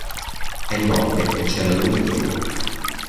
È notte e c'è la luna piena.